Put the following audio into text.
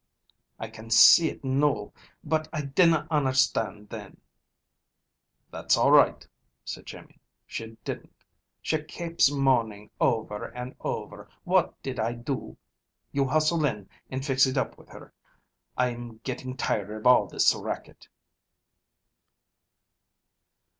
I can see it noo, but I dinna understand then." "That's all right," said Jimmy. "She didn't! She kapes moaning over and over 'What did I do?' You hustle in and fix it up with her. I'm getting tired of all this racket."